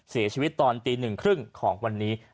เสียชีวิตตอนตี๑๓๐ของวันนี้